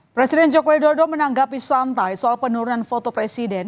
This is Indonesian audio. presiden joko widodo menanggapi santai soal penurunan foto presiden